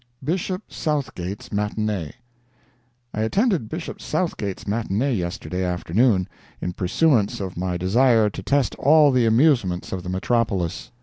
"BISHOP SOUTHGATE'S MATINEE" I attended Bishop Southgate's matinee yesterday afternoon, in pursuance of my desire to test all the amusements of the metropolis.